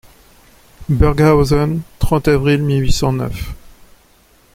Burghausen, trente avril mille huit cent neuf.